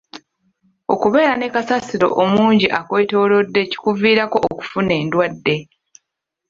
Okubeera ne kasasiro omungi akwetoolodde kikuviirako okufuna endwadde.